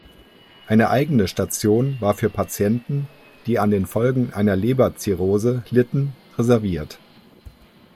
Eine eigene Station war für Patienten, die an den Folgen einer Leberzirrhose litten, reserviert.